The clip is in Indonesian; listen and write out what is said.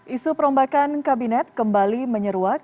isu perombakan kabinet kembali menyeruak